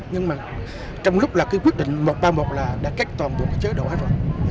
nhưng mà trong lúc là cái quyết định một trăm ba mươi một là đã cách toàn bộ cái chế độ hay rồi